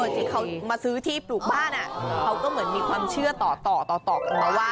ที่เขามาซื้อที่ปลูกบ้านเขาก็เหมือนมีความเชื่อต่อต่อกันมาว่า